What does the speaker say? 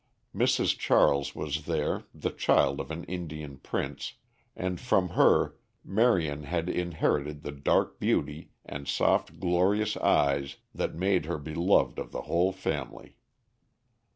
Mrs. Charles was there, the child of an Indian prince, and from her Marion had inherited the dark beauty and soft glorious eyes that made her beloved of the whole family.